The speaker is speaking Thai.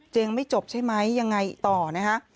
เจ๊ยังไม่จบใช่ไหมยังไงต่อนะคะ